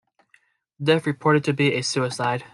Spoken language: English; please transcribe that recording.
The death reported to be a suicide.